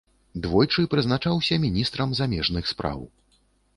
Двойчы прызначаўся міністрам замежных спраў.